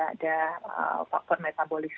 ada faktor metabolis